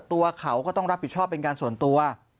ตัวเขาก็ต้องรับผิดชอบเป็นการส่วนตัว